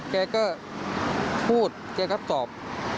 แกก็พูดแกก็ตอบ